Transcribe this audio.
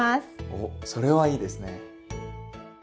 おっそれはいいですね。